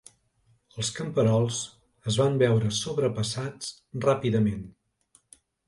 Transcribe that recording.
Els camperols es van veure sobrepassats ràpidament.